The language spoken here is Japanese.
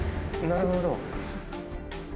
なるほど。